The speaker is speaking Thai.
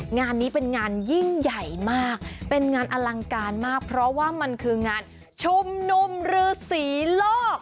งานนี้เป็นงานยิ่งใหญ่มากเป็นงานอลังการมากเพราะว่ามันคืองานชุมนุมฤษีโลก